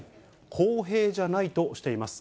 公平じゃないとしています。